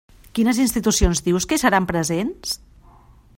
Quines institucions dius que hi seran presents?